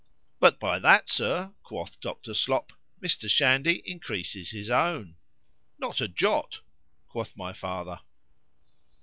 —But, by that, Sir, quoth Dr. Slop, Mr. Shandy increases his own.—Not a jot, quoth my father.